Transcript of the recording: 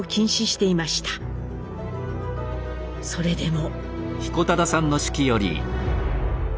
それでも。